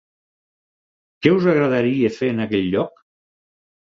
Què us agradaria fer en aquest lloc?